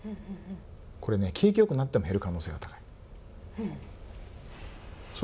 これね景気よくなっても減る可能性が高い。